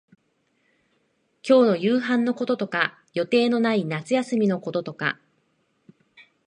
今日の夕飯のこととか、予定のない夏休みのこととか、